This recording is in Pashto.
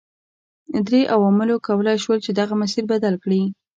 درې عواملو کولای شول چې دغه مسیر بدل کړي.